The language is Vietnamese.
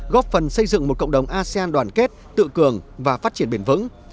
góp phần xây dựng một cộng đồng asean đoàn kết tự cường và phát triển bền vững